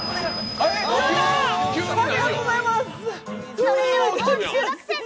ありがとうございます！